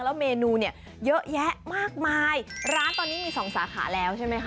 แล้วเมนูเนี่ยเยอะแยะมากมายร้านตอนนี้มีสองสาขาแล้วใช่ไหมคะ